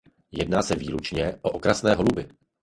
Jedná se výlučně o okrasné holuby.